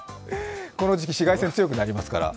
この時期紫外線強くなりますから。